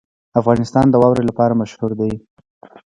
افغانستان د واوره لپاره مشهور دی.